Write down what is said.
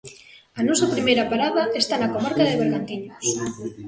A nosa primeira parada está na comarca de Bergantiños.